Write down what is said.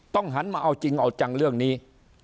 หันมาเอาจริงเอาจังเรื่องนี้